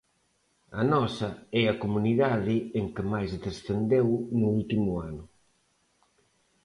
A nosa é a comunidade en que máis descendeu no último ano.